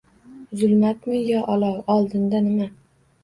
Zulmatmi yo olov – oldinda nima?